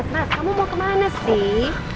eh mas mas mas kamu mau kemana sih